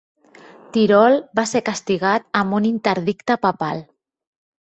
Tirol va ser castigat amb un interdicte papal.